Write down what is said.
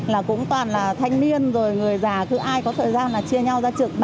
là cũng toàn là thanh niên rồi người già cứ ai có thời gian là chia nhau ra trực